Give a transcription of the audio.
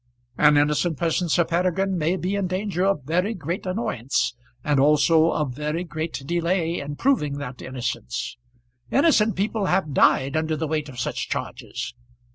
"An innocent person, Sir Peregrine, may be in danger of very great annoyance, and also of very great delay in proving that innocence. Innocent people have died under the weight of such charges.